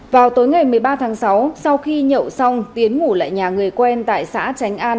vào tối ngày một mươi ba tháng sáu sau khi nhậu xong tiến ngủ lại nhà người quen tại xã tránh an